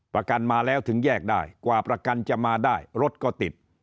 ประกันมาแล้วถึงแยกได้กว่าประกันจะมาได้รถก็ติด